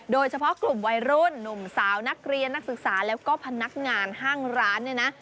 โดยเฉพาะกลุ่มวัยรุ่นหนุ่มสาวนักเรียนนักศึกษาแล้วก็พนักงานห้างร้านเนี่ยนะ